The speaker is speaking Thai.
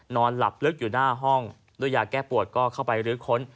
นอนหลับลึกอยู่หน้าห้องด้วยยาแก้ปวดก็เข้าไปรื้อค้น